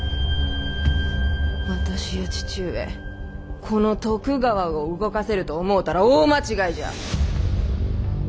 私や父上この徳川を動かせると思うたら大間違いじゃ！